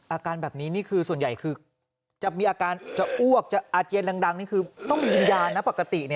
อาการแบบนี้นี่คือส่วนใหญ่คือจะมีอาการจะอ้วกจะอาเจียนดังนี่คือต้องมีวิญญาณนะปกติ